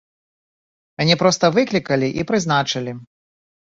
Мяне проста выклікалі і прызначылі!